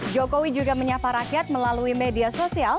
jokowi juga menyapa rakyat melalui media sosial